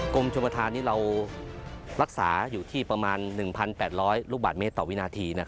กรมชมประธานนี้เรารักษาอยู่ที่ประมาณ๑๘๐๐ลูกบาทเมตรต่อวินาที